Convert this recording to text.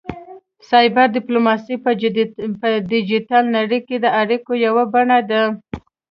سایبر ډیپلوماسي په ډیجیټل نړۍ کې د اړیکو یوه بڼه ده